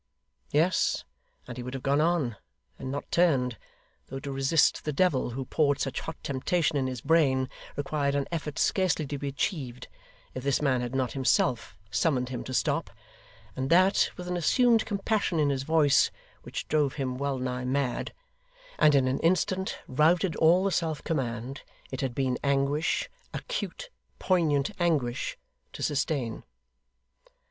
Yes, and he would have gone on, and not turned, though to resist the Devil who poured such hot temptation in his brain, required an effort scarcely to be achieved, if this man had not himself summoned him to stop: and that, with an assumed compassion in his voice which drove him well nigh mad, and in an instant routed all the self command it had been anguish acute, poignant anguish to sustain.